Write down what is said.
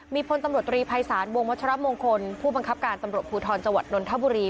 มีพลตำรวจตรีภัยศาสตร์วงมัชรัพย์มงคลผู้บังคับการตำรวจภูทรจัวรณนทบุรี